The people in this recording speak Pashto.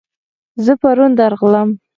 زه پرون درغلم